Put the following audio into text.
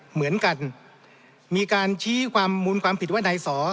เหมือนกันมีการชี้ความมูลความผิดว่านายสอ